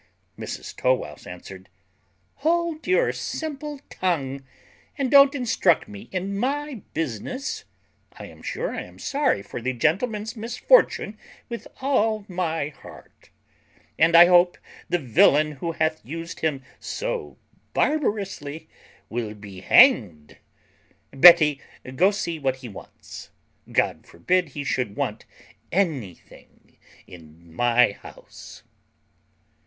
Mrs Tow wouse answered, "Hold your simple tongue, and don't instruct me in my business. I am sure I am sorry for the gentleman's misfortune with all my heart; and I hope the villain who hath used him so barbarously will be hanged. Betty, go see what he wants. God forbid he should want anything in my house."